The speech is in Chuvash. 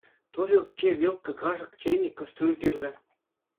Турилкке, вилка, кашӑк, чейник, кастрюль кирлӗ.